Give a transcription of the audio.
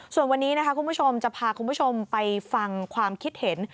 ส่วนวันนี้นะคะคุณผู้ชมจะพาคุณผู้ชมไปฟังความคิดเห็น